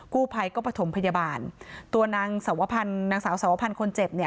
กู้ภัยก็ประถมพยาบาลตัวนางสวพันธ์นางสาวสวพันธ์คนเจ็บเนี่ย